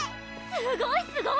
すごいすごい！